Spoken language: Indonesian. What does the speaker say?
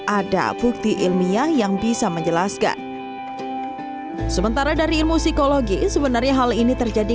ada bukti ilmiah yang bisa menjelaskan sementara dari ilmu psikologi sebenarnya hal ini terjadi